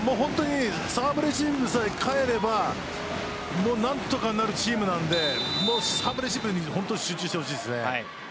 サーブレシーブさえ返れば何とかなるチームなのでサーブレシーブに集中してほしいですね。